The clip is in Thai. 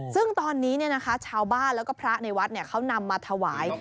ซึ่งตอนนี้ชาวบ้านแล้วก็พระในวัดเขานำมาถวาย